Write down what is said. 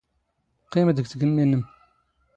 ⵇⵇⵉⵎ ⴷⴳ ⵜⴳⵎⵎⵉ ⵏⵏⵎ.